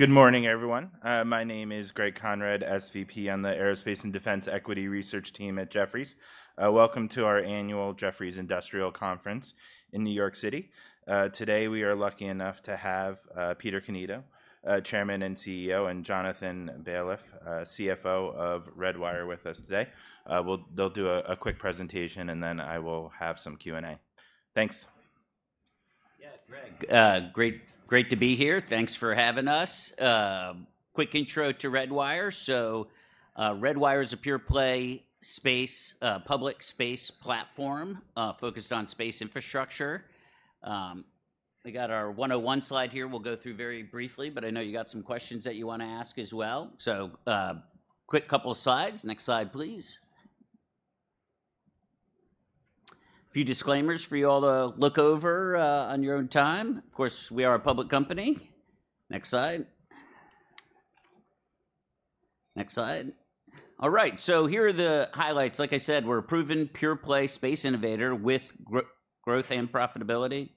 Good morning, everyone. My name is Greg Conrad, SVP on the Aerospace and Defense Equity Research team at Jefferies. Welcome to our annual Jefferies Industrial Conference in New York City. Today, we are lucky enough to have Peter Cannito, Chairman and CEO, and Jonathan Baliff, CFO of Redwire, with us today. They'll do a quick presentation, and then I will have some Q&A. Thanks. Yeah, Greg, great, great to be here. Thanks for having us. Quick intro to Redwire. So, Redwire is a pure play space public space platform focused on space infrastructure. We got our 101 slide here we'll go through very briefly, but I know you got some questions that you wanna ask as well. So, quick couple of slides. Next slide, please. A few disclaimers for you all to look over on your own time. Of course, we are a public company. Next slide. Next slide. All right, so here are the highlights. Like I said, we're a proven, pure play space innovator with growth and profitability.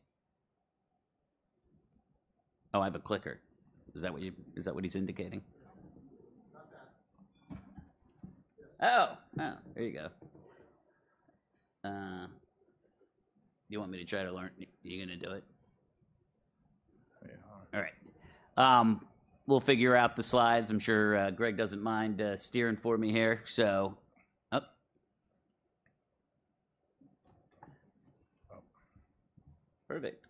Oh, I have a clicker. Is that what you-- Is that what he's indicating? Not bad. Oh! Oh, there you go. You want me to try to learn... You gonna do it? I are. All right. We'll figure out the slides. I'm sure Greg doesn't mind steering for me here. So. Oh. Perfect.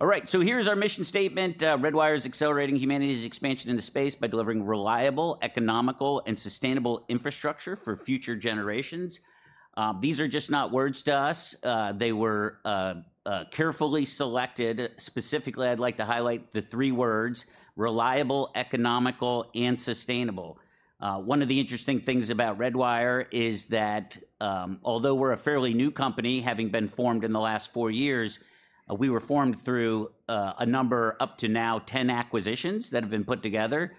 All right, so here's our mission statement. Redwire is accelerating humanity's expansion into space by delivering reliable, economical, and sustainable infrastructure for future generations. These are just not words to us. They were carefully selected. Specifically, I'd like to highlight the three words: reliable, economical, and sustainable. One of the interesting things about Redwire is that, although we're a fairly new company, having been formed in the last four years, we were formed through a number, up to now, 10 acquisitions that have been put together.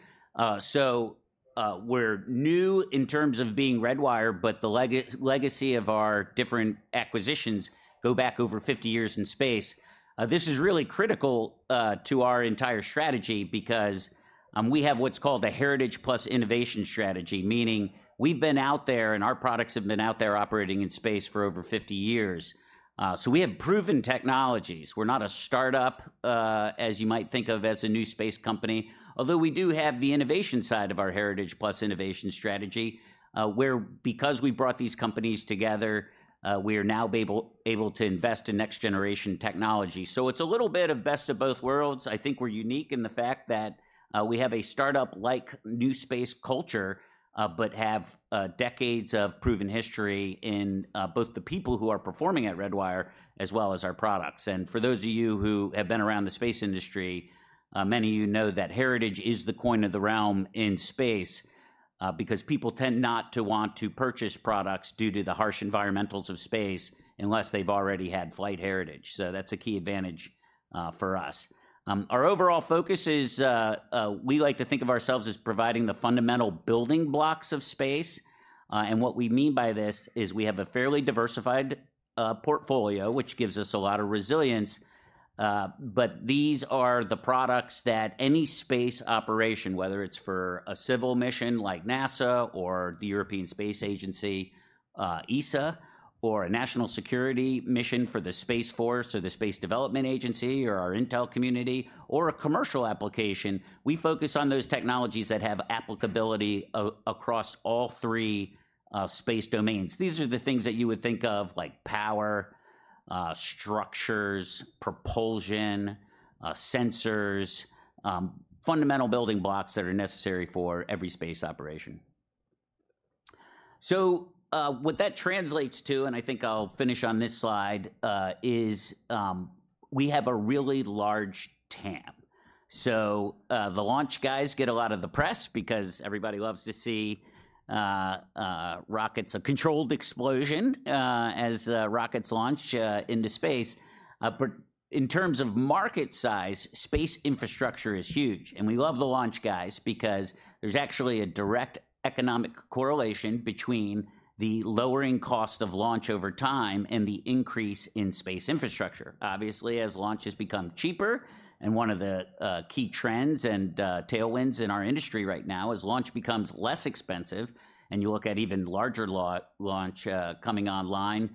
We're new in terms of being Redwire, but the legacy of our different acquisitions go back over 50 years in space. This is really critical to our entire strategy because we have what's called a heritage plus innovation strategy, meaning we've been out there, and our products have been out there operating in space for over fifty years. So we have proven technologies. We're not a start-up, as you might think of as a new space company, although we do have the innovation side of our heritage plus innovation strategy, where because we brought these companies together, we are now able to invest in next-generation technology. So it's a little bit of best of both worlds. I think we're unique in the fact that we have a start-up like new space culture, but have decades of proven history in both the people who are performing at Redwire, as well as our products. And for those of you who have been around the space industry, many of you know that heritage is the coin of the realm in space, because people tend not to want to purchase products due to the harsh environmentals of space unless they've already had flight heritage. So that's a key advantage, for us. Our overall focus is, we like to think of ourselves as providing the fundamental building blocks of space. And what we mean by this is we have a fairly diversified, portfolio, which gives us a lot of resilience. But these are the products that any space operation, whether it's for a civil mission like NASA or the European Space Agency, ESA, or a national security mission for the Space Force or the Space Development Agency, or our intel community, or a commercial application, we focus on those technologies that have applicability across all three space domains. These are the things that you would think of, like power, structures, propulsion, sensors, fundamental building blocks that are necessary for every space operation. So, what that translates to, and I think I'll finish on this slide, is we have a really large TAM. So, the launch guys get a lot of the press because everybody loves to see rockets, a controlled explosion as rockets launch into space. But in terms of market size, space infrastructure is huge, and we love the launch guys because there's actually a direct economic correlation between the lowering cost of launch over time and the increase in space infrastructure. Obviously, as launches become cheaper, and one of the key trends and tailwinds in our industry right now, as launch becomes less expensive, and you look at even larger launch coming online,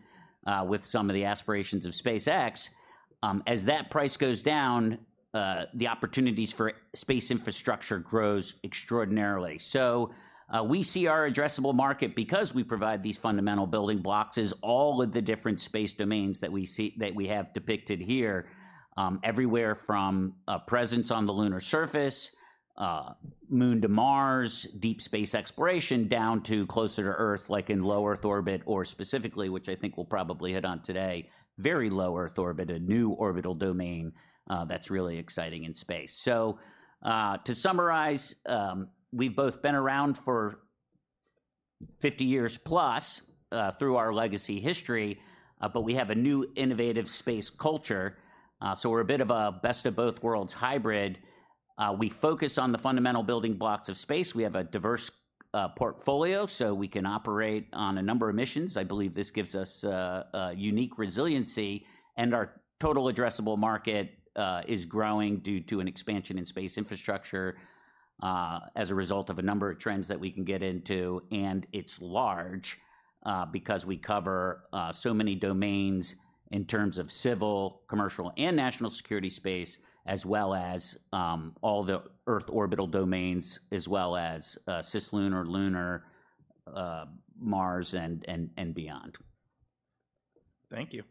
with some of the aspirations of SpaceX, as that price goes down, the opportunities for space infrastructure grows extraordinarily. So, we see our addressable market because we provide these fundamental building blocks as all of the different space domains that we have depicted here, everywhere from a presence on the lunar surface, Moon to Mars, deep space exploration, down to closer to Earth, like in low Earth orbit, or specifically, which I think we'll probably hit on today, very low Earth orbit, a new orbital domain, that's really exciting in space. So, to summarize, we've both been around for fifty years plus, through our legacy history, but we have a new innovative space culture. So we're a bit of a best-of-both-worlds hybrid. We focus on the fundamental building blocks of space. We have a diverse portfolio, so we can operate on a number of missions. I believe this gives us a unique resiliency, and our total addressable market is growing due to an expansion in space infrastructure as a result of a number of trends that we can get into. And it's large because we cover so many domains in terms of civil, commercial, and national security space, as well as all the Earth orbital domains, as well as cislunar, lunar, Mars, and beyond. Thank you.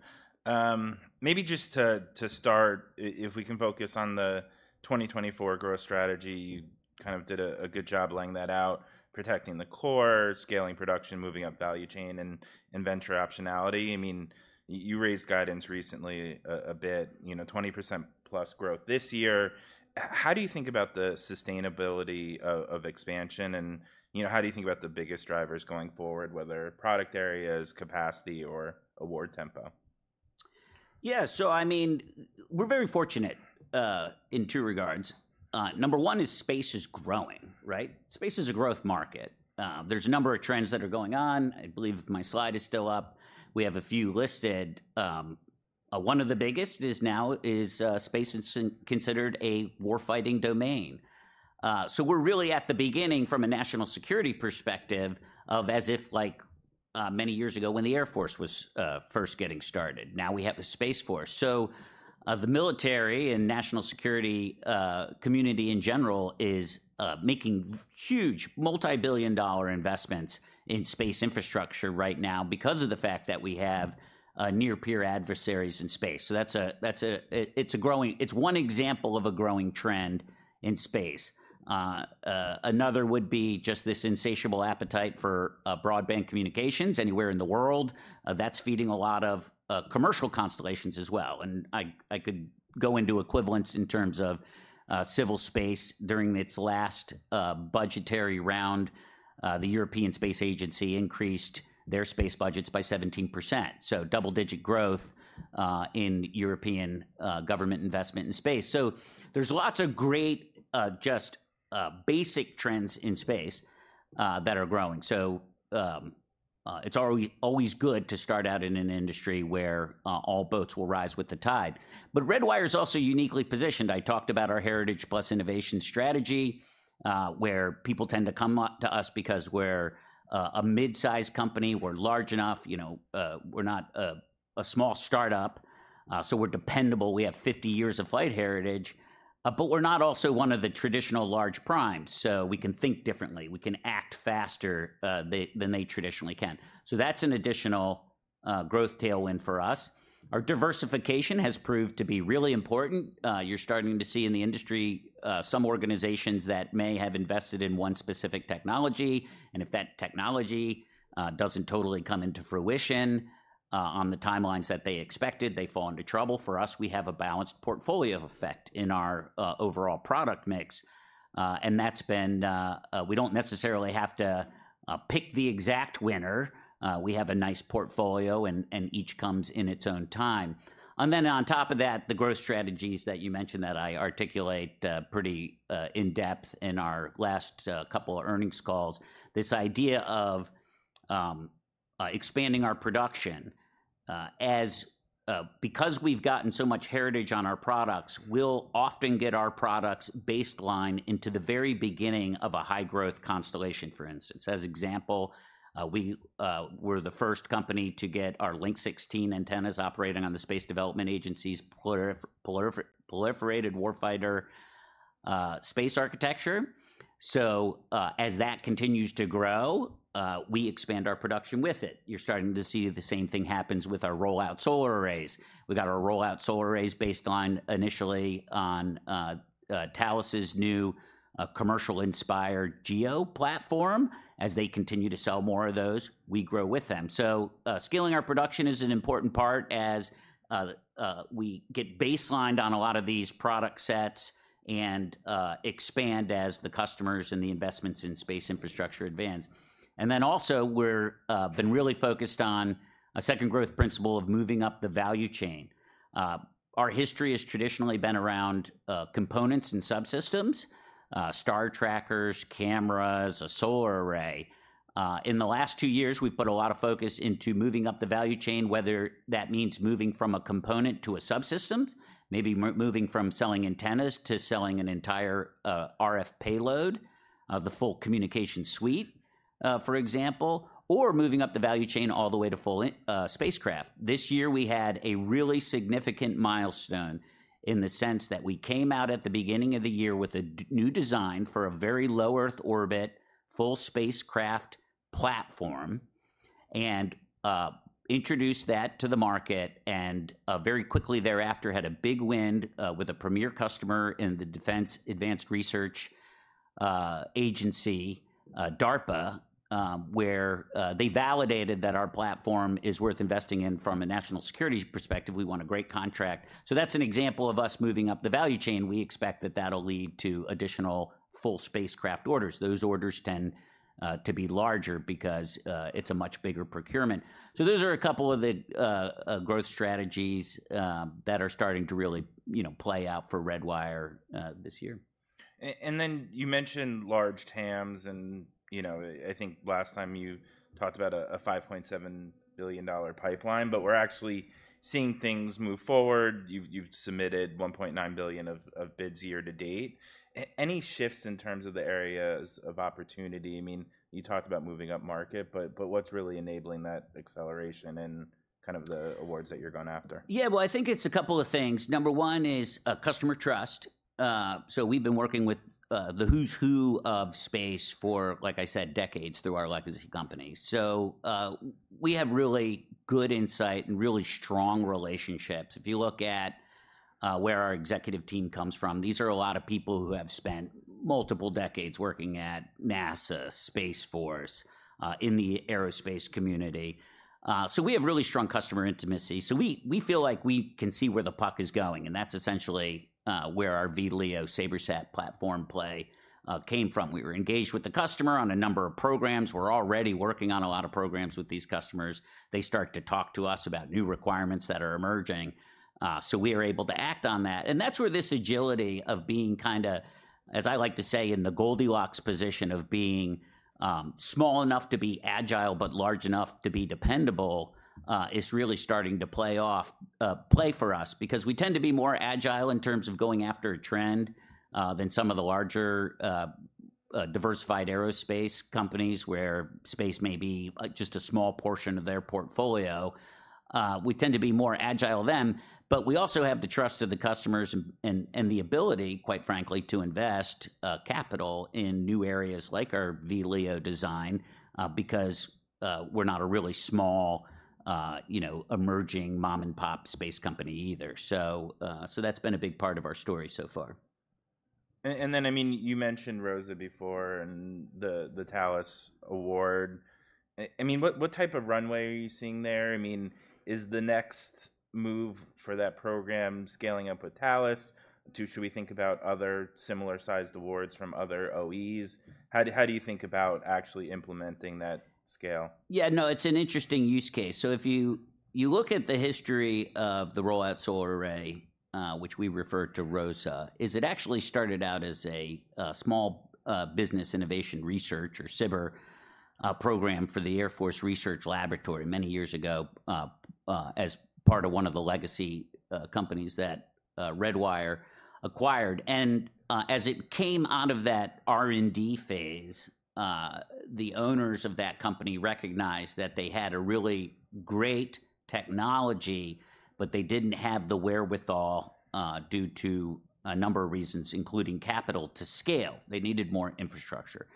Maybe just to start, if we can focus on the twenty twenty-four growth strategy. You kind of did a good job laying that out, protecting the core, scaling production, moving up value chain, and venture optionality. I mean, you raised guidance recently a bit, you know, 20% plus growth this year. How do you think about the sustainability of expansion? And, you know, how do you think about the biggest drivers going forward, whether product areas, capacity, or award tempo? Yeah, so I mean, we're very fortunate in two regards. Number one is space is growing, right? Space is a growth market. There's a number of trends that are going on. I believe my slide is still up. We have a few listed. One of the biggest is space is considered a war-fighting domain. So we're really at the beginning from a national security perspective of as if like many years ago, when the Air Force was first getting started. Now we have a Space Force. So the military and national security community in general is making huge multibillion-dollar investments in space infrastructure right now because of the fact that we have near-peer adversaries in space. So that's one example of a growing trend in space. Another would be just this insatiable appetite for broadband communications anywhere in the world. That's feeding a lot of commercial constellations as well. And I could go into equivalence in terms of civil space. During its last budgetary round, the European Space Agency increased their space budgets by 17%, so double-digit growth in European government investment in space. So there's lots of great just basic trends in space that are growing. So it's always good to start out in an industry where all boats will rise with the tide. But Redwire is also uniquely positioned. I talked about our heritage plus innovation strategy, where people tend to come on to us because we're a mid-sized company. We're large enough, you know, we're not a small startup, so we're dependable. We have fifty years of flight heritage, but we're not also one of the traditional large primes, so we can think differently. We can act faster than they traditionally can. So that's an additional growth tailwind for us. Our diversification has proved to be really important. You're starting to see in the industry some organizations that may have invested in one specific technology, and if that technology doesn't totally come into fruition on the timelines that they expected, they fall into trouble. For us, we have a balanced portfolio effect in our overall product mix, and that's been. We don't necessarily have to pick the exact winner. We have a nice portfolio, and each comes in its own time. And then on top of that, the growth strategies that you mentioned, that I articulate pretty in depth in our last couple of earnings calls, this idea of expanding our production. Because we've gotten so much heritage on our products, we'll often get our products baselined into the very beginning of a high-growth constellation, for instance. As example, we're the first company to get our Link 16 antennas operating on the Space Development Agency's Proliferated Warfighter Space Architecture. So, as that continues to grow, we expand our production with it. You're starting to see the same thing happens with our roll-out solar arrays. We got our roll-out solar arrays baselined initially on Thales's new commercial-inspired GEO platform. As they continue to sell more of those, we grow with them. So, scaling our production is an important part as we get baselined on a lot of these product sets and expand as the customers and the investments in space infrastructure advance. And then also, we're been really focused on a second growth principle of moving up the value chain. Our history has traditionally been around components and subsystems, star trackers, cameras, a solar array. In the last two years, we've put a lot of focus into moving up the value chain, whether that means moving from a component to a subsystems, maybe moving from selling antennas to selling an entire RF payload, the full communication suite, for example, or moving up the value chain all the way to full spacecraft. This year, we had a really significant milestone in the sense that we came out at the beginning of the year with a new design for a very low Earth orbit, full spacecraft platform, and introduced that to the market, and very quickly thereafter, had a big win with a premier customer in the Defense Advanced Research Agency, DARPA, where they validated that our platform is worth investing in from a national security perspective. We won a great contract. So that's an example of us moving up the value chain. We expect that that'll lead to additional full spacecraft orders. Those orders tend to be larger because it's a much bigger procurement. So those are a couple of the growth strategies that are starting to really, you know, play out for Redwire this year.... And then you mentioned large TAMs, and, you know, I think last time you talked about a $5.7 billion pipeline, but we're actually seeing things move forward. You've submitted $1.9 billion of bids year to date. Any shifts in terms of the areas of opportunity? I mean, you talked about moving upmarket, but what's really enabling that acceleration and kind of the awards that you're going after? Yeah, well, I think it's a couple of things. Number one is customer trust. So we've been working with the who's who of space for, like I said, decades through our legacy company. So we have really good insight and really strong relationships. If you look at where our executive team comes from, these are a lot of people who have spent multiple decades working at NASA, Space Force in the aerospace community. So we have really strong customer intimacy. So we feel like we can see where the puck is going, and that's essentially where our VLEO SabreSat platform play came from. We were engaged with the customer on a number of programs. We're already working on a lot of programs with these customers. They start to talk to us about new requirements that are emerging, so we are able to act on that. And that's where this agility of being kinda, as I like to say, in the Goldilocks position of being, small enough to be agile, but large enough to be dependable, is really starting to play for us. Because we tend to be more agile in terms of going after a trend, than some of the larger, diversified aerospace companies, where space may be, just a small portion of their portfolio. We tend to be more agile than them, but we also have the trust of the customers and the ability, quite frankly, to invest capital in new areas like our VLEO design, because we're not a really small, you know, emerging mom-and-pop space company either. So, so that's been a big part of our story so far. And then, I mean, you mentioned ROSA before and the Thales award. I mean, what type of runway are you seeing there? I mean, is the next move for that program scaling up with Thales? Should we think about other similar-sized awards from other OEs? How do you think about actually implementing that scale? Yeah, no, it's an interesting use case. So if you look at the history of the roll-out solar array, which we refer to ROSA, it actually started out as a Small Business Innovation Research, or SBIR, program for the Air Force Research Laboratory many years ago, as part of one of the legacy companies that Redwire acquired. And as it came out of that R&D phase, the owners of that company recognized that they had a really great technology, but they didn't have the wherewithal due to a number of reasons, including capital to scale. They needed more infrastructure.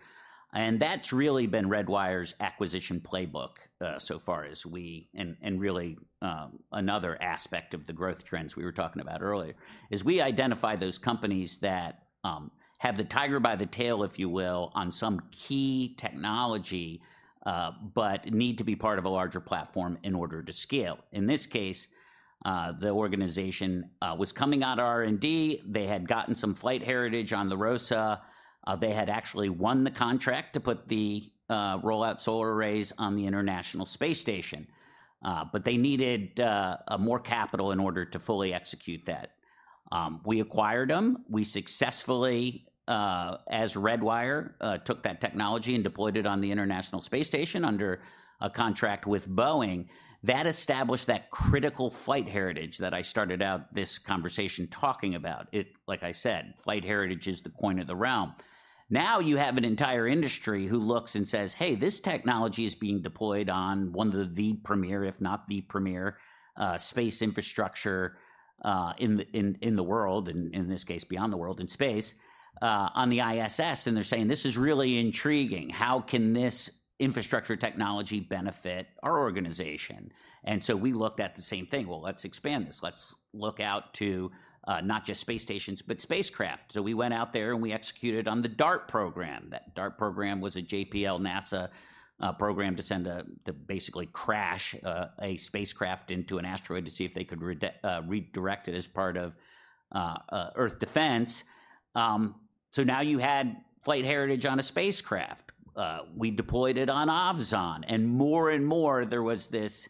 And that's really been Redwire's acquisition playbook, so far as we... Really, another aspect of the growth trends we were talking about earlier is we identify those companies that have the tiger by the tail, if you will, on some key technology but need to be part of a larger platform in order to scale. In this case, the organization was coming out of R&D. They had gotten some flight heritage on the ROSA. They had actually won the contract to put the roll-out solar arrays on the International Space Station but they needed more capital in order to fully execute that. We acquired them. We successfully, as Redwire, took that technology and deployed it on the International Space Station under a contract with Boeing. That established that critical flight heritage that I started out this conversation talking about. Like I said, flight heritage is the coin of the realm. Now, you have an entire industry who looks and says: "Hey, this technology is being deployed on one of the premier, if not the premier, space infrastructure in the world," and in this case, beyond the world, in space, on the ISS. And they're saying: "This is really intriguing. How can this infrastructure technology benefit our organization?" And so we looked at the same thing. Well, let's expand this. Let's look out to not just space stations, but spacecraft. So we went out there, and we executed on the DART program. That DART program was a JPL NASA program to send to basically crash a spacecraft into an asteroid to see if they could redirect it as part of Earth defense. So now you had flight heritage on a spacecraft. We deployed it on Ovzon, and more and more there was this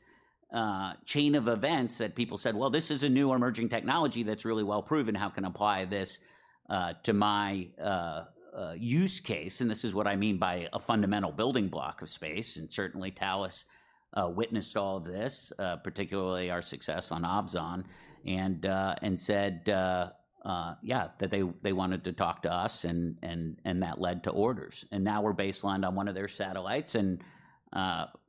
chain of events that people said, "Well, this is a new emerging technology that's really well proven. How can I apply this to my use case?" And this is what I mean by a fundamental building block of space, and certainly Thales witnessed all of this, particularly our success on Ovzon. And said, yeah, that they wanted to talk to us, and that led to orders. And now we're baselined on one of their satellites, and,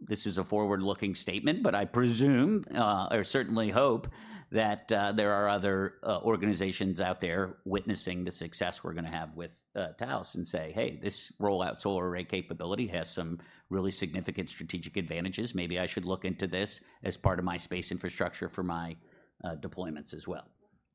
this is a forward-looking statement, but I presume, or certainly hope, that, there are other, organizations out there witnessing the success we're gonna have with, Thales and say, "Hey, this Roll-Out Solar Array capability has some really significant strategic advantages. Maybe I should look into this as part of my space infrastructure for my, deployments as well.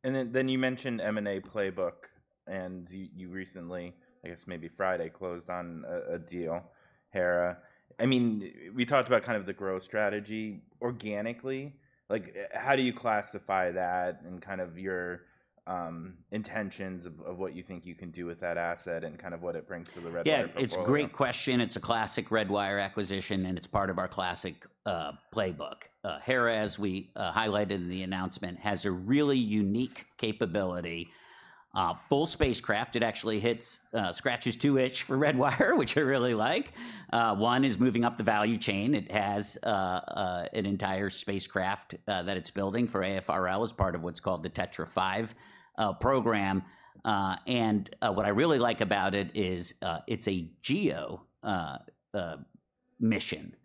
And then you mentioned M&A playbook, and you recently, I guess maybe Friday, closed on a deal, Hera. I mean, we talked about kind of the growth strategy organically. Like, how do you classify that and kind of your intentions of what you think you can do with that asset and kind of what it brings to the Redwire portfolio? Yeah, it's a great question. It's a classic Redwire acquisition, and it's part of our classic playbook. Hera, as we highlighted in the announcement, has a really unique capability, full spacecraft. It actually hits, scratches two itches for Redwire, which I really like. One is moving up the value chain. It has an entire spacecraft that it's building for AFRL as part of what's called the Tetra-5 program, and what I really like about it is it's a GEO mission,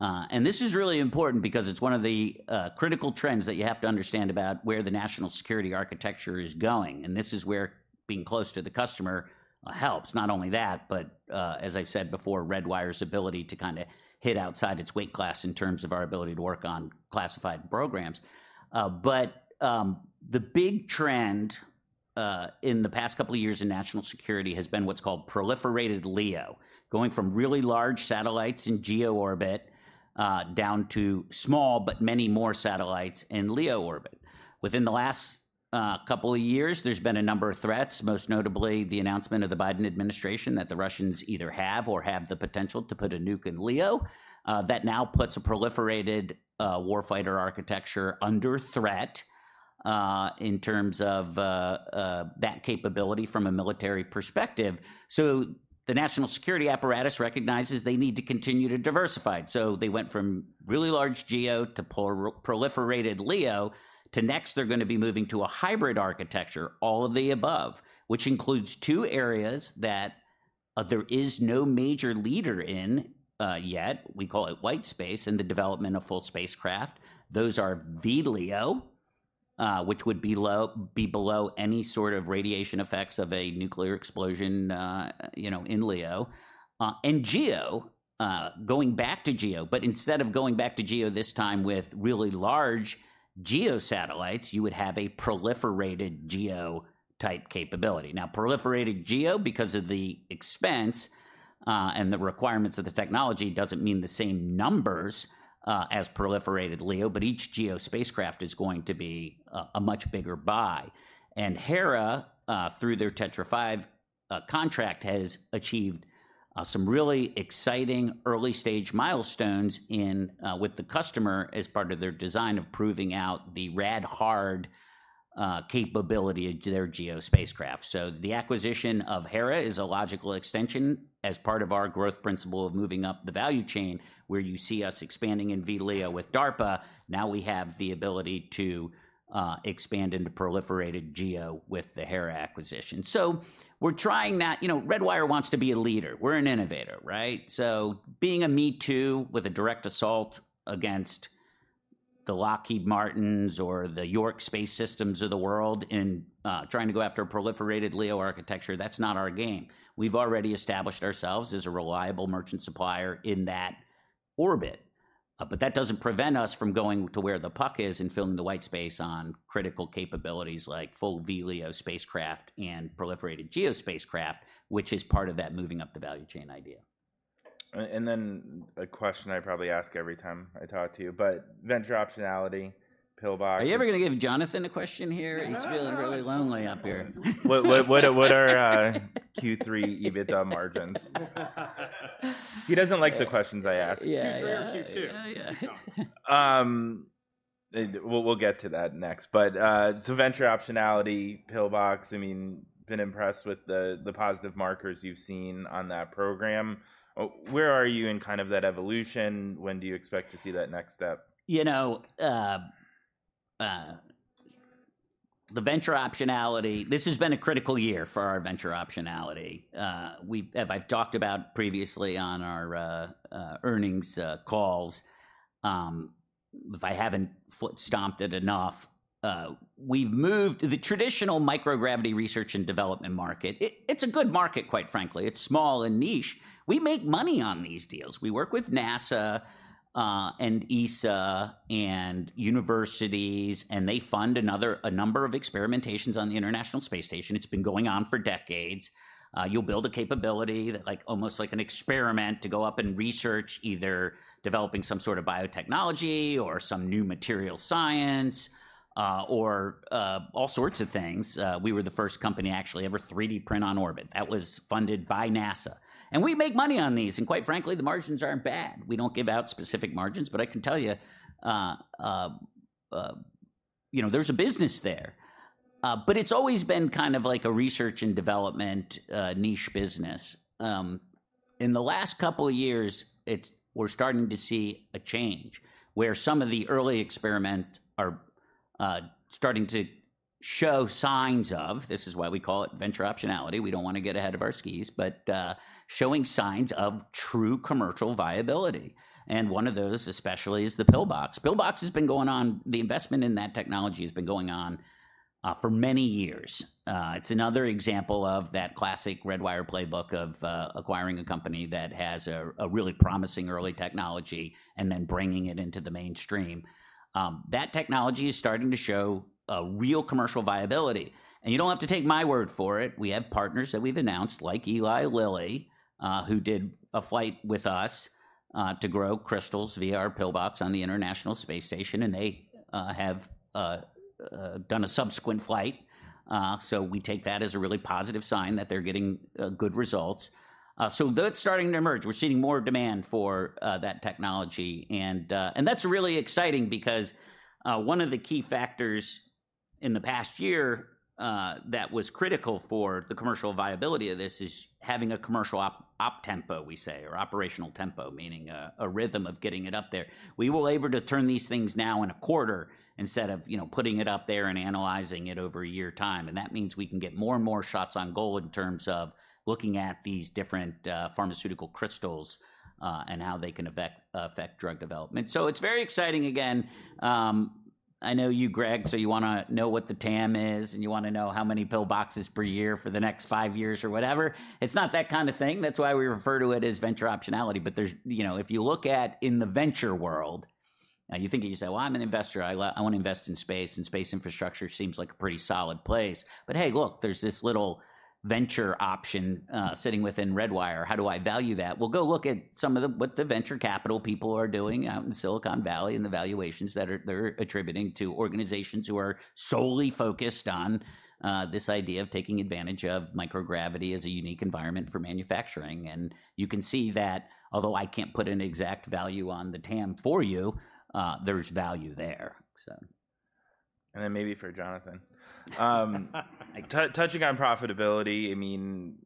and this is really important because it's one of the critical trends that you have to understand about where the national security architecture is going, and this is where being close to the customer helps. Not only that, but as I've said before, Redwire's ability to kind of hit outside its weight class in terms of our ability to work on classified programs but the big trend in the past couple of years in national security has been what's called proliferated LEO, going from really large satellites in GEO orbit down to small, but many more satellites in LEO orbit. Within the last couple of years, there's been a number of threats, most notably the announcement of the Biden administration, that the Russians either have or have the potential to put a nuke in LEO. That now puts a proliferated warfighter architecture under threat in terms of that capability from a military perspective, so the national security apparatus recognizes they need to continue to diversify. So they went from really large GEO to proliferated LEO, to next they're gonna be moving to a hybrid architecture, all of the above, which includes two areas that there is no major leader in yet. We call it white space in the development of full spacecraft. Those are VLEO, which would be below any sort of radiation effects of a nuclear explosion, you know, in LEO. And GEO, going back to GEO, but instead of going back to GEO, this time with really large GEO satellites, you would have a proliferated GEO-type capability. Now, proliferated GEO, because of the expense and the requirements of the technology, doesn't mean the same numbers as proliferated LEO, but each GEO spacecraft is going to be a much bigger buy. And Hera, through their Tetra-5 contract, has achieved some really exciting early-stage milestones with the customer as part of their design of proving out the rad hard capability to their GEO spacecraft. So the acquisition of Hera is a logical extension as part of our growth principle of moving up the value chain, where you see us expanding in VLEO with DARPA. Now we have the ability to expand into proliferated GEO with the Hera acquisition. So we're trying that. You know, Redwire wants to be a leader. We're an innovator, right? So being a me too, with a direct assault against the Lockheed Martin or the York Space Systems of the world in trying to go after a proliferated LEO architecture, that's not our game. We've already established ourselves as a reliable merchant supplier in that orbit. But that doesn't prevent us from going to where the puck is and filling the white space on critical capabilities like full VLEO spacecraft and proliferated GEO spacecraft, which is part of that moving up the value chain idea. A question I probably ask every time I talk to you, but venture optionality, PIL-BOX- Are you ever gonna give Jonathan a question here? I know. He's feeling really lonely up here. What are Q3 EBITDA margins? He doesn't like the questions I ask. Yeah. Yeah. Q3 or Q2? Yeah. Yeah. And we'll get to that next, but so venture optionality, PillBox, I mean, been impressed with the positive markers you've seen on that program. Where are you in kind of that evolution? When do you expect to see that next step? You know, the venture optionality. This has been a critical year for our venture optionality. As I've talked about previously on our earnings calls, if I haven't foot-stomped it enough, we've moved. The traditional microgravity research and development market, it's a good market, quite frankly. It's small and niche. We make money on these deals. We work with NASA and ESA, and universities, and they fund a number of experimentations on the International Space Station. It's been going on for decades. You'll build a capability that like, almost like an experiment to go up and research, either developing some sort of biotechnology or some new material science, or all sorts of things. We were the first company to actually ever 3D print on orbit. That was funded by NASA. And we make money on these, and quite frankly, the margins aren't bad. We don't give out specific margins, but I can tell you, you know, there's a business there. But it's always been kind of like a research and development niche business. In the last couple of years, we're starting to see a change, where some of the early experiments are starting to show signs of... This is why we call it venture optionality, we don't wanna get ahead of our skis, but showing signs of true commercial viability, and one of those especially is the PillBox. PillBox has been going on, the investment in that technology has been going on for many years. It's another example of that classic Redwire playbook of acquiring a company that has a really promising early technology and then bringing it into the mainstream. That technology is starting to show a real commercial viability, and you don't have to take my word for it. We have partners that we've announced, like Eli Lilly, who did a flight with us to grow crystals via our PillBox on the International Space Station, and they have done a subsequent flight. So we take that as a really positive sign that they're getting good results. So that's starting to emerge. We're seeing more demand for that technology, and that's really exciting because one of the key factors-... In the past year, that was critical for the commercial viability of this is having a commercial op tempo, we say, or operational tempo, meaning, a rhythm of getting it up there. We were able to turn these things now in a quarter instead of, you know, putting it up there and analyzing it over a year time, and that means we can get more and more shots on goal in terms of looking at these different, pharmaceutical crystals, and how they can affect drug development. So it's very exciting again, I know you, Greg, so you wanna know what the TAM is, and you wanna know how many PillBoxes per year for the next five years or whatever. It's not that kind of thing. That's why we refer to it as venture optionality, but there's, you know, if you look at in the venture world, you think and you say, "Well, I'm an investor. I wanna invest in space, and space infrastructure seems like a pretty solid place. But hey, look, there's this little venture option sitting within Redwire. How do I value that?" Well, go look at some of the what the venture capital people are doing out in Silicon Valley and the valuations that they're attributing to organizations who are solely focused on this idea of taking advantage of microgravity as a unique environment for manufacturing. And you can see that although I can't put an exact value on the TAM for you, there's value there, so. And then maybe for Jonathan. Touching on profitability, I mean,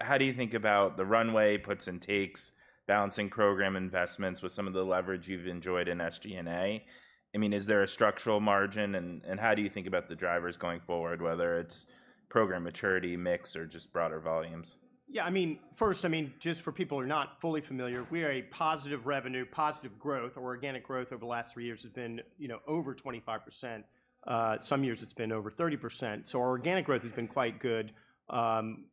how do you think about the runway puts and takes, balancing program investments with some of the leverage you've enjoyed in SG&A? I mean, is there a structural margin, and how do you think about the drivers going forward, whether it's program maturity, mix, or just broader volumes? Yeah, I mean, first, I mean, just for people who are not fully familiar, we are a positive revenue, positive growth. Our organic growth over the last three years has been, you know, over 25%. Some years it's been over 30%, so our organic growth has been quite good. You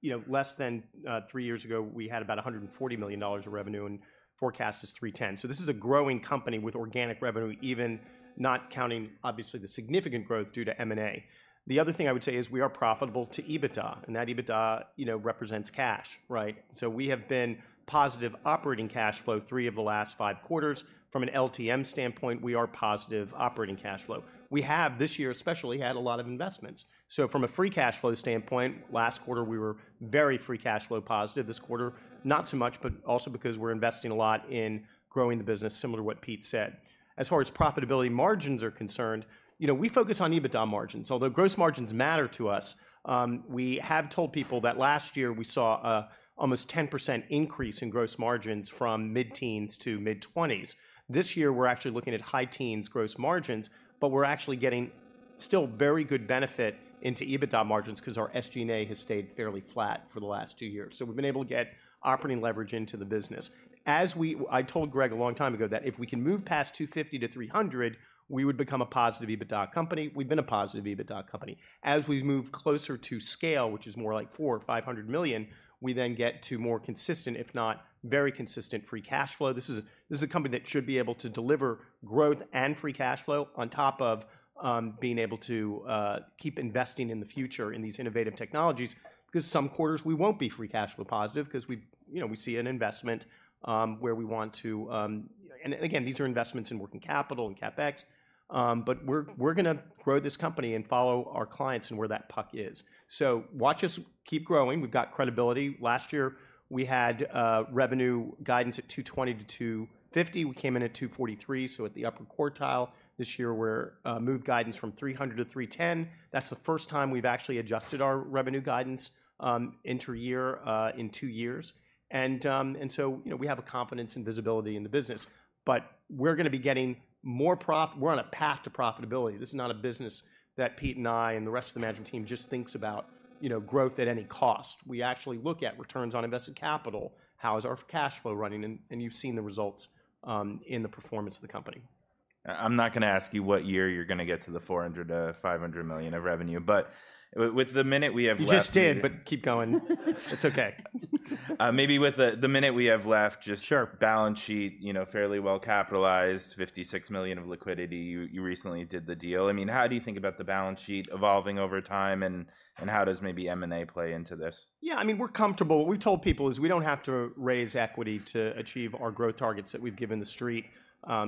know, less than three years ago, we had about $140 million of revenue, and forecast is $310 million. So this is a growing company with organic revenue, even not counting, obviously, the significant growth due to M&A. The other thing I would say is we are profitable to EBITDA, and that EBITDA, you know, represents cash, right? So we have been positive operating cash flow three of the last five quarters. From an LTM standpoint, we are positive operating cash flow. We have, this year especially, had a lot of investments. So from a free cash flow standpoint, last quarter we were very free cash flow positive. This quarter, not so much, but also because we're investing a lot in growing the business, similar to what Pete said. As far as profitability margins are concerned, you know, we focus on EBITDA margins. Although gross margins matter to us, we have told people that last year we saw an almost 10% increase in gross margins from mid-teens to mid-twenties. This year, we're actually looking at high teens gross margins, but we're actually getting still very good benefit into EBITDA margins 'cause our SG&A has stayed fairly flat for the last two years. So we've been able to get operating leverage into the business. I told Greg a long time ago that if we can move past 250-300, we would become a positive EBITDA company. We've been a positive EBITDA company. As we move closer to scale, which is more like $400 million or $500 million, we then get to more consistent, if not very consistent, free cash flow. This is a company that should be able to deliver growth and free cash flow on top of being able to keep investing in the future in these innovative technologies, because some quarters we won't be free cash flow positive 'cause we, you know, we see an investment where we want to. And again, these are investments in working capital and CapEx, but we're gonna grow this company and follow our clients and where that puck is. So watch us keep growing. We've got credibility. Last year, we had revenue guidance at $220 million-$250 million. We came in at $243 million, so at the upper quartile. This year, we're moved guidance from $300 million to $310 million. That's the first time we've actually adjusted our revenue guidance inter year in two years. You know, we have a confidence and visibility in the business, but we're gonna be getting more prof-- we're on a path to profitability. This is not a business that Pete and I and the rest of the management team just thinks about, you know, growth at any cost. We actually look at returns on invested capital, how is our cash flow running, and you've seen the results in the performance of the company. I'm not gonna ask you what year you're gonna get to the 400 to 500 million of revenue, but with the minute we have left- You just did, but keep going. It's okay. Maybe with the minute we have left, just- Sure... balance sheet, you know, fairly well capitalized, $56 million of liquidity. You recently did the deal. I mean, how do you think about the balance sheet evolving over time, and how does maybe M&A play into this? Yeah, I mean, we're comfortable. What we told people is we don't have to raise equity to achieve our growth targets that we've given the street.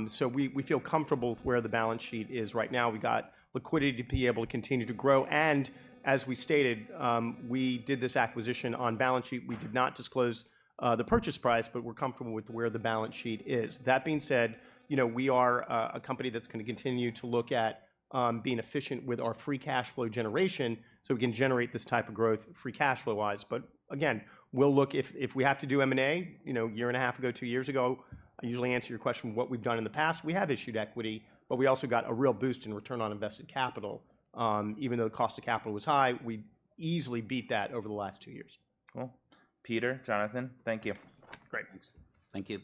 So we, we feel comfortable with where the balance sheet is right now. We've got liquidity to be able to continue to grow, and as we stated, we did this acquisition on balance sheet. We did not disclose, the purchase price, but we're comfortable with where the balance sheet is. That being said, you know, we are a company that's gonna continue to look at, being efficient with our free cash flow generation, so we can generate this type of growth free cash flow-wise. But again, we'll look if we have to do M&A, you know, a year and a half ago, two years ago, I usually answer your question what we've done in the past. We have issued equity, but we also got a real boost in return on invested capital. Even though the cost of capital was high, we easily beat that over the last two years. Well, Peter, Jonathan, thank you. Great. Thanks. Thank you.